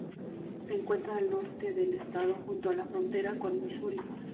Se encuentra al norte del estado, junto a la frontera con Misuri.